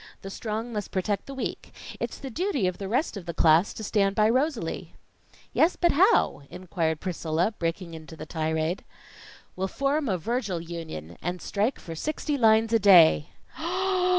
The strong must protect the weak. It's the duty of the rest of the class to stand by Rosalie." "Yes, but how?" inquired Priscilla, breaking into the tirade. "We'll form a Virgil Union, and strike for sixty lines a day."